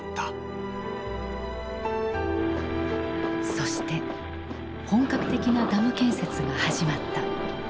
そして本格的なダム建設が始まった。